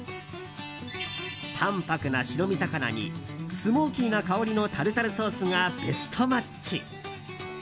淡泊な白身魚にスモーキーな香りのタルタルソースがベストマッチ。